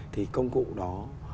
thì công cụ đó